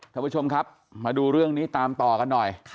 ท่านผู้ชมครับมาดูเรื่องนี้ตามต่อกันหน่อย